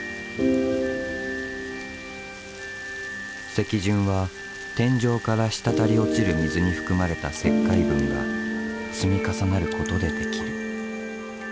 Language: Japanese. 石筍は天井から滴り落ちる水に含まれた石灰分が積み重なることで出来る。